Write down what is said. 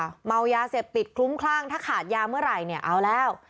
เมายาเสพติดคลุ้มคลั่งถ้าขาดยาเมื่อไหร่เนี่ยเอาแล้ว